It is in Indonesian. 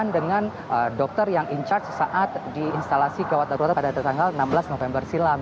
dan dokter yang in charge saat di instalasi gawat darurat pada tanggal enam belas november silam